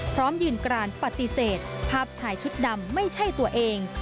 พร้อมยืนกรานปฏิเสธภาพชายชุดดำไม่ใช่ตัวเอง